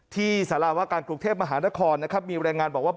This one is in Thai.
ที่สาระวะการกรุงเทพมหานครมีบรรยายงานบอกว่า